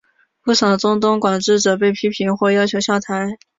不少中东管治者被批评或要求下台。